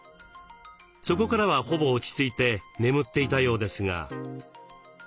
そこからはほぼ落ち着いて眠っていたようですが。